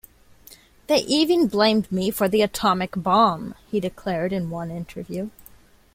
"They even blamed me for the atomic bomb," he declared in one interview.